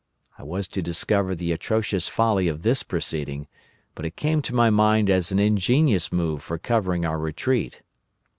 I was to discover the atrocious folly of this proceeding, but it came to my mind as an ingenious move for covering our retreat.